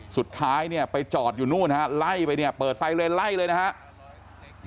สุดท้ายเนี่ยไปจอดอยู่นู่นฮะไล่ไปเนี่ยเปิดไซเรนไล่เลยนะครับ